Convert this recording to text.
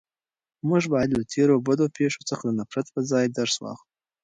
موږ باید له تېرو بدو پېښو څخه د نفرت په ځای درس واخلو.